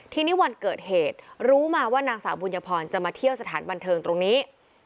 ทีนี้วันเกิดเหตุรู้มาว่านางสาวบุญพรจะมาเที่ยวสถานบันเทิงตรงนี้